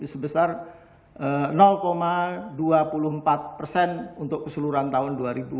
sebesar dua puluh empat untuk keseluruhan tahun dua ribu lima belas